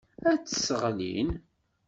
Ad tt-sseɣlin.